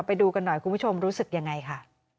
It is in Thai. ไปดูกันหน่อยคุณผู้ชมรู้สึกยังไงค่ะ